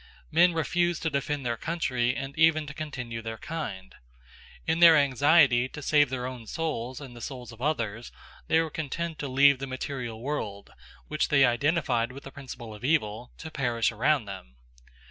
Men refused to defend their country and even to continue their kind. In their anxiety to save their own souls and the souls of others, they were content to leave the material world, which they identified with the principle of evil, to perish around them.